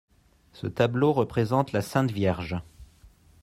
Ce tableau représente la Sainte Vierge.